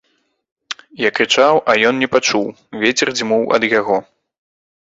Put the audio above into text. Я крычаў, а ён не пачуў, вецер дзьмуў ад яго.